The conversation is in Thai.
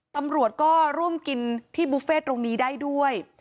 ตำรวจก็ร่วมกินที่บุฟเฟ่ตรงนี้ได้ด้วย